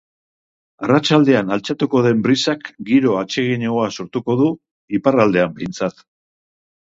Arratsaldean altxatuko den brisak giro atseginagoa sortuko du, iparraldean behintzat.